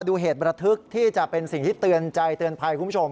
ดูเหตุประทึกที่จะเป็นสิ่งที่เตือนใจเตือนภัยคุณผู้ชม